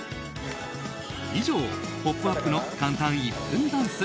以上、「ポップＵＰ！」の簡単１分ダンス。